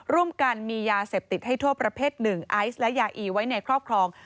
ร่วมกันมียาเสพติดให้โทษประเภทหนึ่งไอซ์และยาอีไว้ในครอบครอง